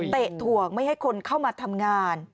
ถ่วงไม่ให้คนเข้ามาทำงาน